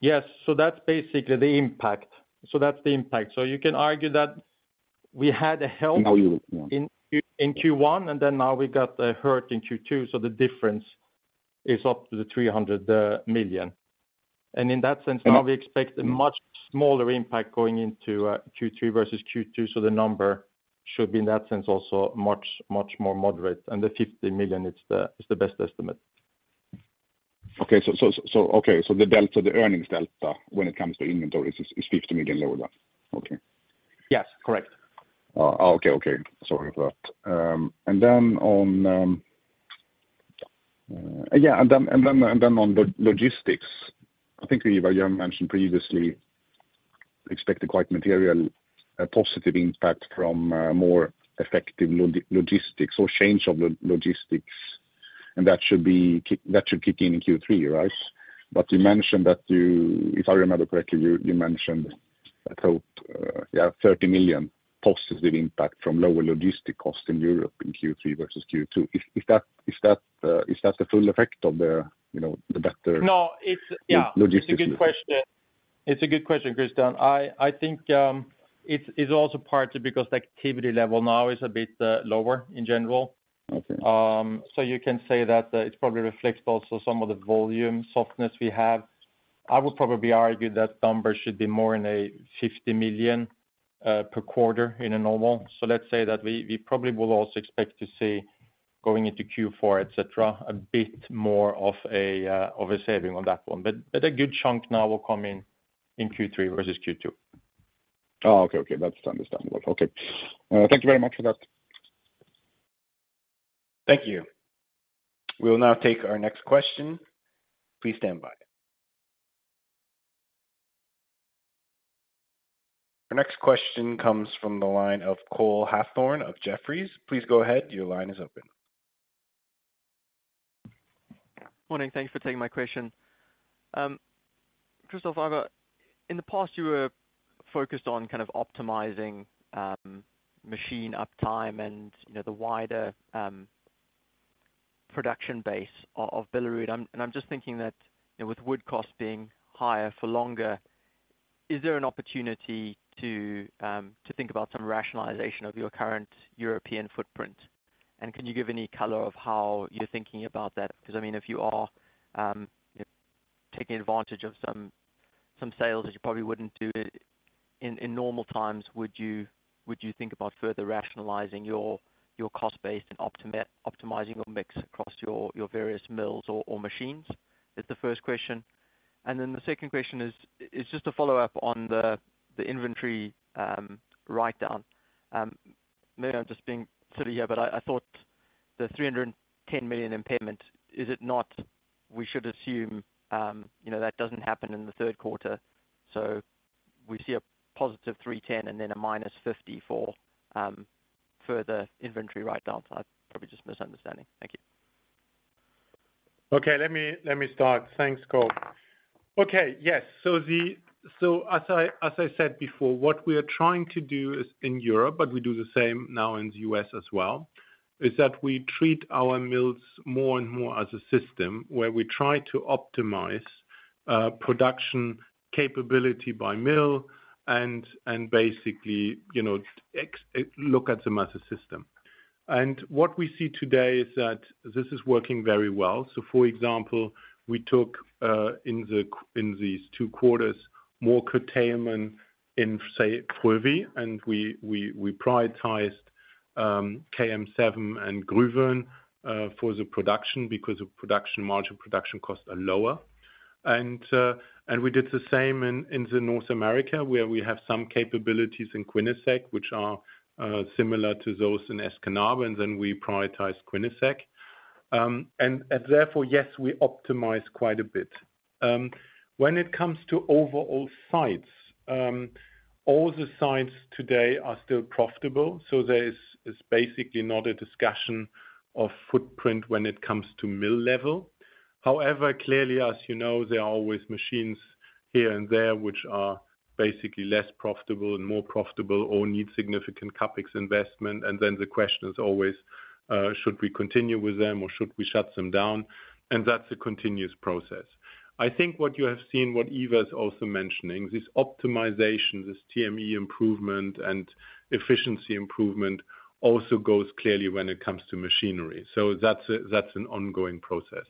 Yes. That's basically the impact. That's the impact. You can argue that we had a. Value, yeah. In Q1, then now we got the hurt in Q2, the difference is up to the 300 million SEK. In that sense, now we expect a much smaller impact going into Q3 versus Q2, the number should be, in that sense, also much, much more moderate. The 50 million SEK is the best estimate. Okay, so the delta, the earnings delta, when it comes to inventory is 50 million lower then? Okay. Yes, correct. Okay, sorry for that. On logistics, I think you mentioned previously expected quite material, a positive impact from more effective logistics or change of logistics, and that should kick in Q3, right? You mentioned that you, if I remember correctly, you mentioned, I hope, 30 million positive impact from lower logistic costs in Europe in Q3 versus Q2. Is that, is that, is that the full effect of the, you know, the better- No, it's. Logistics It's a good question, Christian. I think, it's also partly because the activity level now is a bit lower in general. Okay. You can say that, it's probably reflects also some of the volume softness we have. I would probably argue that number should be more in a 50 million per quarter in a normal. Let's say that we probably will also expect to see, going into Q4, et cetera, a bit more of a saving on that one. A good chunk now will come in Q3 versus Q2. Oh, okay. That's understandable. Okay. Thank you very much for that. Thank you. We'll now take our next question. Please stand by. Our next question comes from the line of Cole Hathorn of Jefferies. Please go ahead. Your line is open. Morning. Thanks for taking my question. Christoph, I've in the past, you were focused on kind of optimizing machine uptime and, you know, the wider production base of Billerud. I'm just thinking that, you know, with wood costs being higher for longer, is there an opportunity to think about some rationalization of your current European footprint? Can you give any color of how you're thinking about that? Because, I mean, if you are, you know, taking advantage of some sales that you probably wouldn't do it in normal times, would you, would you think about further rationalizing your cost base and optimizing your mix across your various mills or machines? That's the first question. Then the second question is just a follow-up on the inventory write-down. Maybe I'm just being silly here, but I thought the 310 million impairment, is it not we should assume, you know, that doesn't happen in the 3rd quarter, so we see a positive 310 and then a minus 54, further inventory write-down? I'm probably just misunderstanding. Thank you. Let me start. Thanks, Cole. Yes. As I said before, what we are trying to do is in Europe, but we do the same now in the U.S. as well, is that we treat our mills more and more as a system, where we try to optimize production capability by mill and basically, you know, look at them as a system. What we see today is that this is working very well. For example, we took in these two quarters, more curtailment in, say, Frövi, and we prioritized KM7 and Gruvön for the production, because of production margin, production costs are lower. We did the same in North America, where we have some capabilities in Quinnesec, which are similar to those in Escanaba, and then we prioritize Quinnesec. Therefore, yes, we optimize quite a bit. When it comes to overall sites, all the sites today are still profitable, so there is basically not a discussion of footprint when it comes to mill level. However, clearly, as you know, there are always machines here and there, which are basically less profitable and more profitable or need significant CapEx investment. The question is always, should we continue with them or should we shut them down? That's a continuous process. I think what you have seen, what Iva is also mentioning, this optimization, this TME improvement and efficiency improvement also goes clearly when it comes to machinery. That's an ongoing process.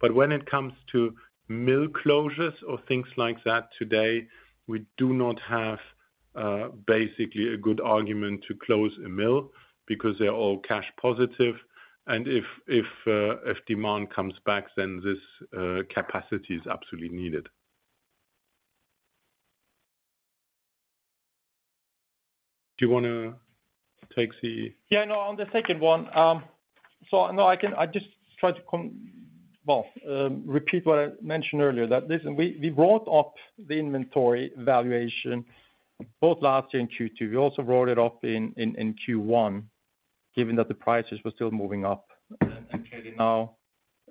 When it comes to mill closures or things like that, today, we do not have, basically a good argument to close a mill because they're all cash positive. If demand comes back, then this capacity is absolutely needed. Yeah, no, on the second one, no, I just try to repeat what I mentioned earlier, that this, we wrote off the inventory valuation both last year in Q2. We also wrote it off in Q1, given that the prices were still moving up, and clearly now,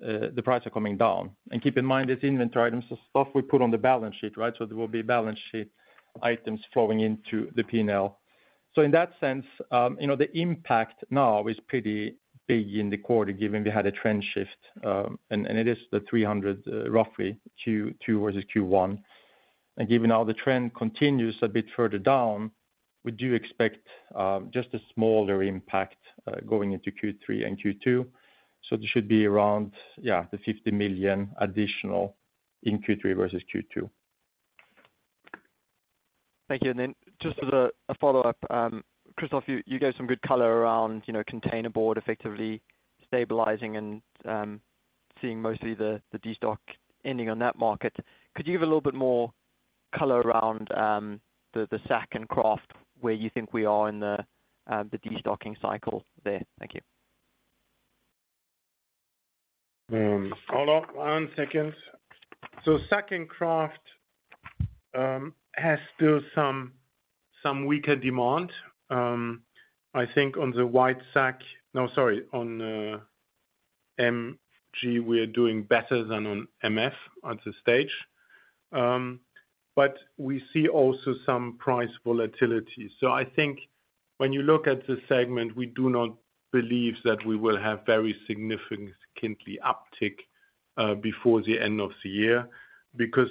the prices are coming down. Keep in mind, this inventory item is the stuff we put on the balance sheet, right? There will be balance sheet items flowing into the P&L. In that sense, you know, the impact now is pretty big in the quarter, given we had a trend shift, and it is the 300, roughly Q versus Q1. Given how the trend continues a bit further down, we do expect, just a smaller impact, going into Q3 and Q2. So this should be around, yeah, 50 million additional in Q3 versus Q2. Thank you. Then just as a follow-up, Christoph, you gave some good color around, you know, Containerboard effectively stabilizing and seeing mostly the destock ending on that market. Could you give a little bit more color around the Sack and Kraft, where you think we are in the destocking cycle there? Thank you. Hold on one second. Sack and Kraft has still some weaker demand. I think on MG, we are doing better than on MF at this stage. We see also some price volatility. I think when you look at the segment, we do not believe that we will have very significantly uptick before the end of the year, because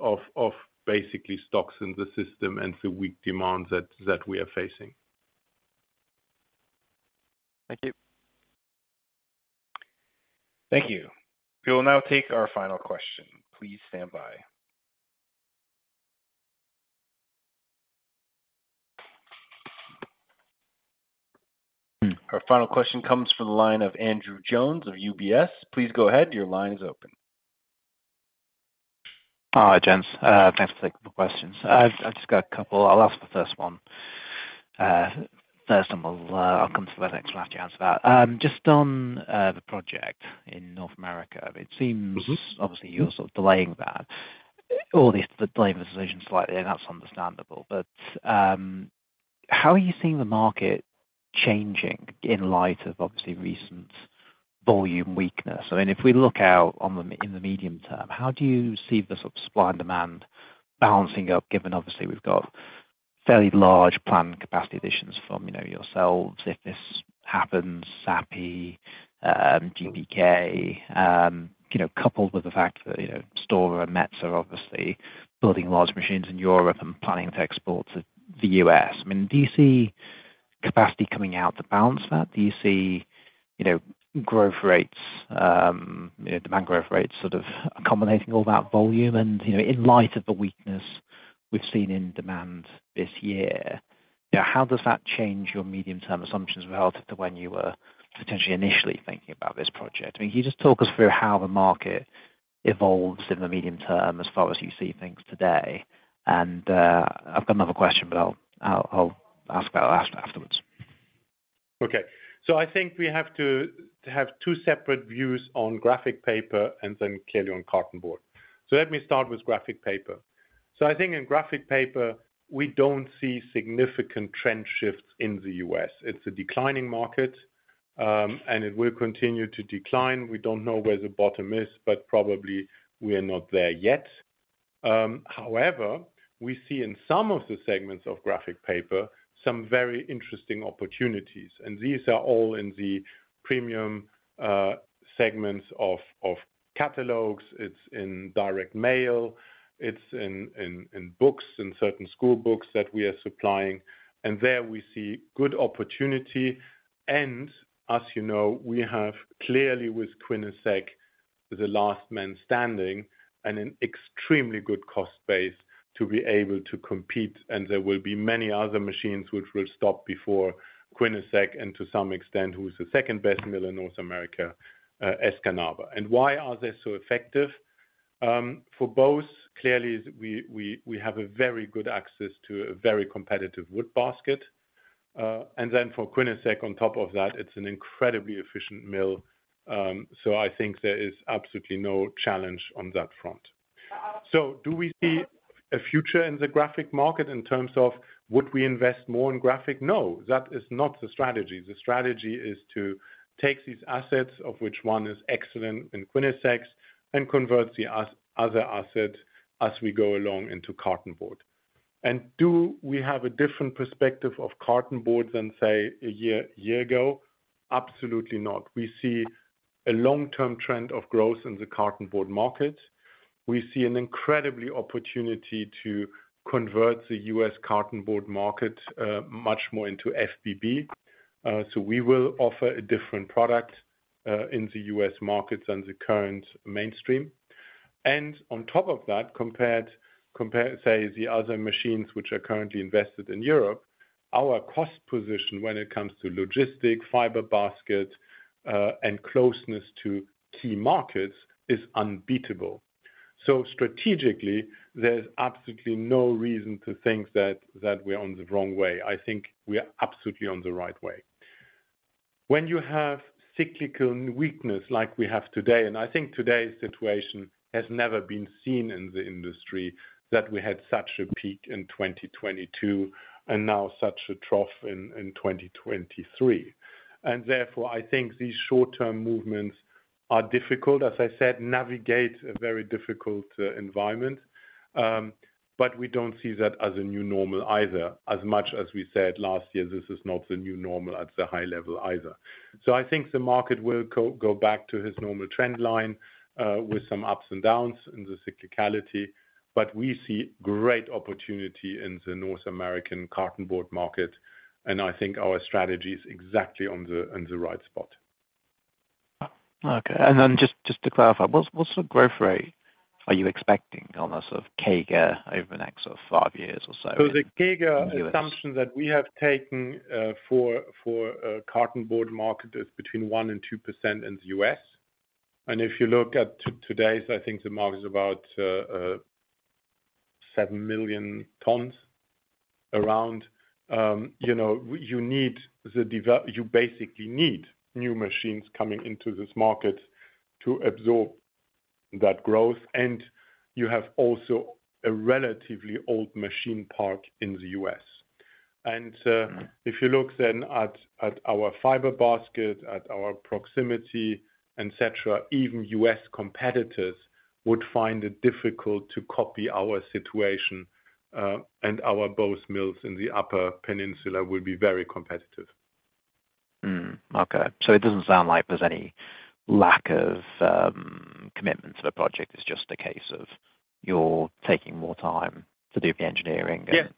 of basically stocks in the system and the weak demand that we are facing. Thank you. Thank you. We will now take our final question. Please stand by. Our final question comes from the line of Andrew Jones of UBS. Please go ahead. Your line is open. Hi, gents. Thanks for taking the questions. I've just got a couple. I'll ask the first one. First and I'll come to the next one after you answer that. Just on the project in North America. Mm-hmm... obviously, you're sort of delaying that or at least delaying the decision slightly, and that's understandable. How are you seeing the market changing in light of obviously recent volume weakness? I mean, if we look out in the medium term, how do you see the sort of supply and demand balancing out, given obviously we've got fairly large planned capacity additions from, you know, yourselves, if this happens, Sappi, GPK, you know, coupled with the fact that, you know, Stora Enso are obviously building large machines in Europe and planning to export to the U.S. I mean, capacity coming out to balance that? Do you see, you know, growth rates, you know, demand growth rates sort of accommodating all that volume? You know, in light of the weakness we've seen in demand this year, you know, how does that change your medium-term assumptions relative to when you were potentially initially thinking about this project? I mean, can you just talk us through how the market evolves in the medium term, as far as you see things today? I've got another question, but I'll ask that afterwards. Okay. I think we have to have 2 separate views on graphic paper and then clearly on Cartonboard. Let me start with graphic paper. I think in graphic paper, we don't see significant trend shifts in the U.S. It's a declining market, and it will continue to decline. We don't know where the bottom is, but probably we're not there yet. However, we see in some of the segments of graphic paper, some very interesting opportunities, and these are all in the premium segments of catalogs, it's in direct mail, it's in books, in certain school books that we are supplying. There we see good opportunity. As you know, we have clearly with Quinnesec, the last man standing, and an extremely good cost base to be able to compete. There will be many other machines which will stop before Quinnesec, and to some extent, who's the second best mill in North America, Escanaba. Why are they so effective? For both, clearly, we have a very good access to a very competitive wood basket. For Quinnesec, on top of that, it's an incredibly efficient mill. I think there is absolutely no challenge on that front. Do we see a future in the graphic market in terms of would we invest more in graphic? No, that is not the strategy. The strategy is to take these assets, of which one is excellent in Quinnesec, and convert the other assets as we go along into Cartonboard. Do we have a different perspective of Cartonboard than, say, a year ago? Absolutely not. We see a long-term trend of growth in the Cartonboard market. We see an incredibly opportunity to convert the U.S. Cartonboard market, much more into FBB. We will offer a different product in the U.S. market than the current mainstream. On top of that, compare, say, the other machines which are currently invested in Europe, our cost position when it comes to logistic, fiber basket, and closeness to key markets, is unbeatable. Strategically, there's absolutely no reason to think that we're on the wrong way. I think we are absolutely on the right way. When you have cyclical weakness like we have today, I think today's situation has never been seen in the industry, that we had such a peak in 2022, now such a trough in 2023. Therefore, I think these short-term movements are difficult, as I said, navigate a very difficult environment, but we don't see that as a new normal either, as much as we said last year, this is not the new normal at the high level either. I think the market will go back to its normal trend line, with some ups and downs in the cyclicality, but we see great opportunity in the North American Cartonboard market, and I think our strategy is exactly on the, on the right spot. Okay. Then just to clarify, what's the growth rate are you expecting on a sort of CAGR over the next sort of five years or so in the U.S.? The CAGR assumption that we have taken for Cartonboard market is between 1% and 2% in the U.S. If you look at today, I think the market is about 7 million tons around, you know, you basically need new machines coming into this market to absorb that growth, and you have also a relatively old machine park in the U.S. Mm. If you look then at our fiber basket, at our proximity, et cetera, even U.S. competitors would find it difficult to copy our situation, and our both mills in the Upper Peninsula will be very competitive. Okay. It doesn't sound like there's any lack of commitment to the project. It's just a case of you're taking more time to do the engineering. Yeah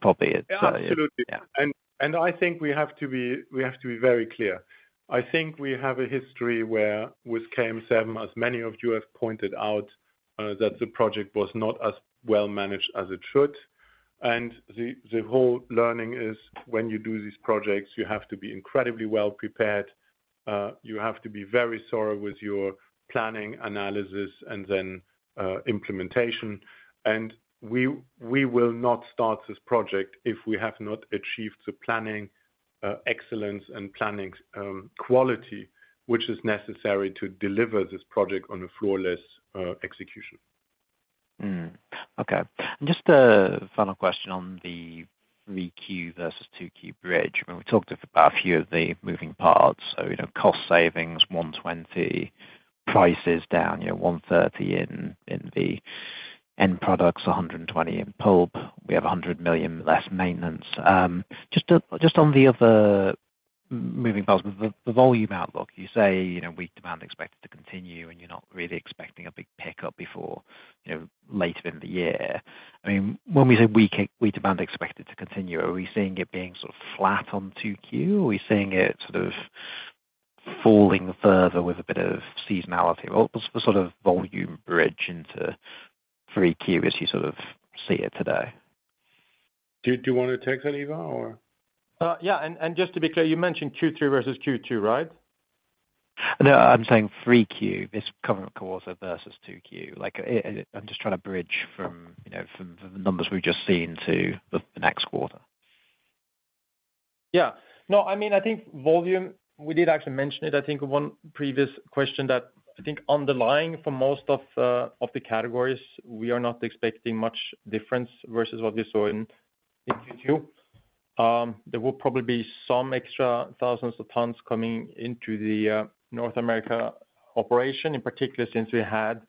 probably it. Absolutely. Yeah. I think we have to be very clear. I think we have a history where with KM7, as many of you have pointed out, that the project was not as well managed as it should. The whole learning is when you do these projects, you have to be incredibly well prepared, you have to be very thorough with your planning, analysis, and then, implementation. We will not start this project if we have not achieved the planning, excellence and planning, quality, which is necessary to deliver this project on a flawless execution. Okay. Just a final question on the 3Q versus 2Q bridge. I mean, we talked about a few of the moving parts. You know, cost savings, 120, prices down, you know, 130 in the end products, 120 in pulp. We have 100 million less maintenance. Moving past the volume outlook, you say, you know, weak demand expected to continue, and you're not really expecting a big pickup before, you know, later in the year. I mean, when we say weak demand expected to continue, are we seeing it being sort of flat on 2Q? Are we seeing it sort of falling further with a bit of seasonality? What, what's the sort of volume bridge into 3Q as you sort of see it today? Do you want to take that, Ivar, or? Yeah, and just to be clear, you mentioned Q3 versus Q2, right? No, I'm saying 3Q, this current quarter versus 2Q. Like, I'm just trying to bridge from, you know, from the numbers we've just seen to the next quarter. Yeah. No, I mean, I think volume, we did actually mention it, I think, one previous question that I think underlying for most of the categories, we are not expecting much difference versus what we saw in Q2. There will probably be some extra thousands of tons coming into the North America operation, in particular, since we had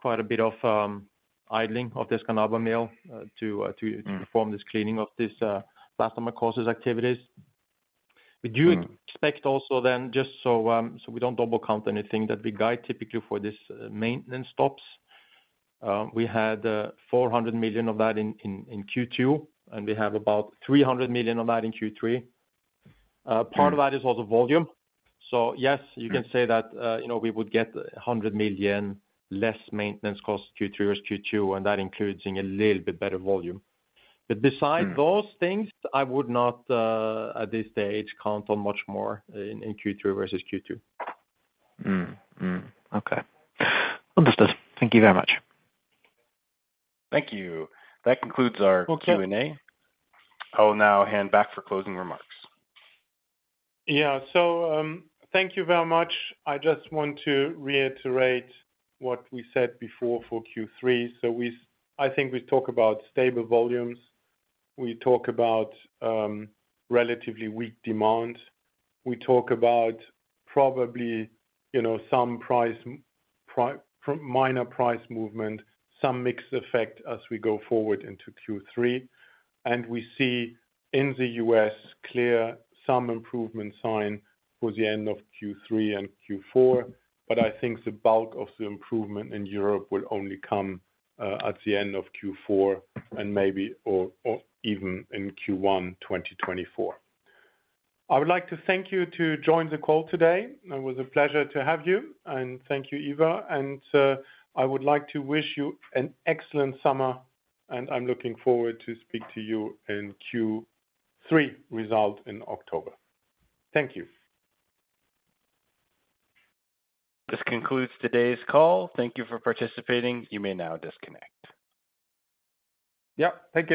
quite a bit of idling of this Escanaba Mill. Mm. - to perform this cleaning of this, customer causes activities. Mm. We do expect also then, just so we don't double count anything, that we guide typically for this maintenance stops. We had 400 million of that in Q2. We have about 300 million of that in Q3. Mm. part of that is also volume. Mm... you can say that, you know, we would get 100 million less maintenance costs, Q3 versus Q2, and that includes a little bit better volume. Mm. Besides those things, I would not, at this stage, count on much more in Q3 versus Q2. Mm, mm. Okay. Understood. Thank you very much. Thank you. That concludes our Q&A. Okay. I will now hand back for closing remarks. Thank you very much. I just want to reiterate what we said before for Q3. I think we talk about stable volumes, we talk about relatively weak demand. We talk about probably, you know, some minor price movement, some mix effect as we go forward into Q3, and we see in the US clear some improvement sign for the end of Q3 and Q4. I think the bulk of the improvement in Europe will only come at the end of Q4 and maybe, or even in Q1, 2024. I would like to thank you to join the call today. It was a pleasure to have you, thank you, Ivar, I would like to wish you an excellent summer, I'm looking forward to speak to you in Q3 result in October. Thank you. This concludes today's call. Thank Thank you for participating. You may now disconnect. Yep, thank you.